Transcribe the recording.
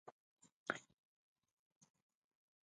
No other ranks were permitted to wear them.